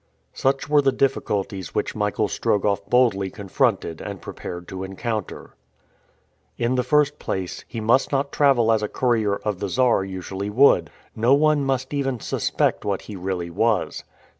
Such were the difficulties which Michael Strogoff boldly confronted and prepared to encounter. In the first place, he must not travel as a courier of the Czar usually would. No one must even suspect what he really was.